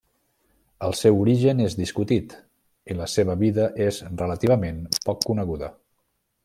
El seu origen és discutit i la seva vida és relativament poc coneguda.